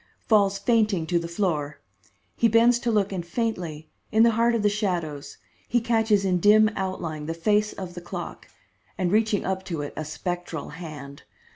falls fainting to the floor. He bends to look and faintly, in the heart of the shadows, he catches in dim outline the face of the clock, and reaching up to it a spectral hand.